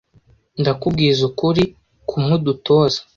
Ndakubwiza ukuri kumwe udutoza